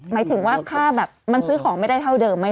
หมายถึงว่าค่าแบบมันซื้อของไม่ได้เท่าเดิมไหม